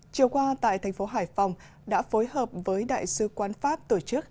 chiều qua tại thành phố hải phòng đã phối hợp với đại sứ quán pháp tổ chức